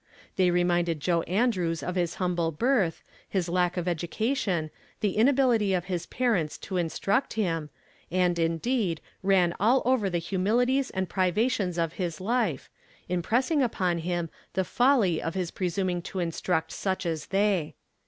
They reminded Joe Andrews of his hum])le birth, his lack of education, the inability of his parents to instruct liim, and, indeed, ran all over the humilities and privations of his life, impressing upon him the folly of his })resuming to instruct such as they